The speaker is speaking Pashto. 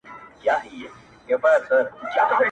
هغه چي اوس زما په مخه راسي مخ اړوي ,